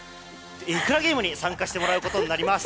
イクラゲームに参加していただくことになります。